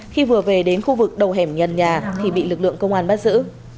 khi vừa về đến khu vực đầu hẻm nhân nhà thì bị lực lượng công an bắt giữ